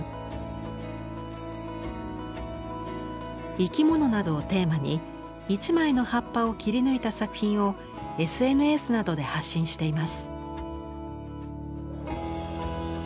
生き物などをテーマに一枚の葉っぱを切り抜いた作品をＳＮＳなどで発信しています。